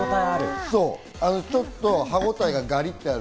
ちょっと歯ごたえがガリッとある。